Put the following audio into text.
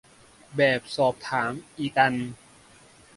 แบบสอบถาม อีกอัน